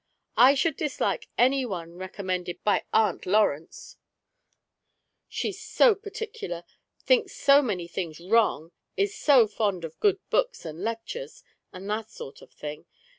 "I should dislike any one recommended by Aunt Lawrence^ she's so particular, thinks so many things wrong, is so fond of good books and lectures, and that sort of thing.